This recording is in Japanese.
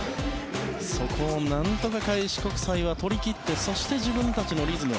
そこをなんとか開志国際は取り切ってそして自分たちのリズム。